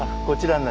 こちら？